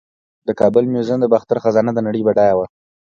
د کابل میوزیم د باختر خزانه د نړۍ بډایه وه